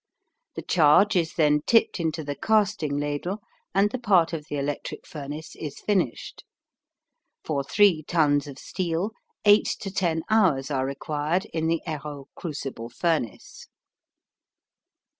The charge is then tipped into the casting ladle and the part of the electric furnace is finished. For three tons of steel eight to ten hours are required in the Heroult crucible furnace.